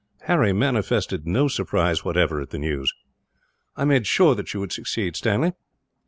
Harry manifested no surprise, whatever, at the news. "I made sure that you would succeed, Stanley.